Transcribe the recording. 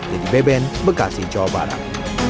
jadi beben bekasi jawa barat